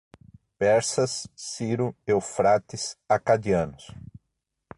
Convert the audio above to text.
Persas, Ciro, Eufrates, acadianos